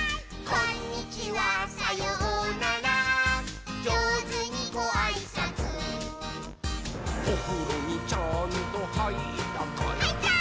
「こんにちはさようならじょうずにごあいさつ」「おふろにちゃんとはいったかい？」はいったー！